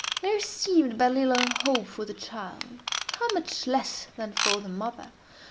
There seemed but little hope for the child; (how much less than for the mother!)